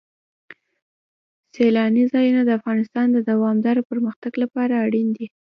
سیلانی ځایونه د افغانستان د دوامداره پرمختګ لپاره اړین دي.